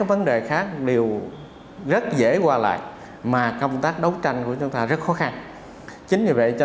vấn đề khác đều rất dễ qua lại mà công tác đấu tranh của chúng ta rất khó khăn chính vì vậy cho